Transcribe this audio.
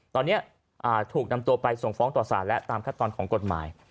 ตอนนี้ถูกนำตัวไปส่งฟ้องต่อสารและตามขั้นตอนของกฎหมาย